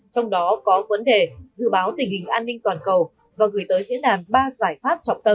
trong đó có vấn đề dự báo tình hình an ninh toàn cầu và gửi tới diễn đàn ba giải pháp trọng tâm